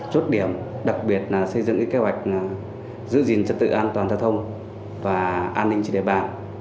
chốt điểm đặc biệt là xây dựng kế hoạch giữ gìn trật tự an toàn thờ thông và an ninh trật tự